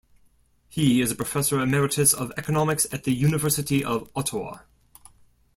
He is a professor emeritus of economics at the University of Ottawa.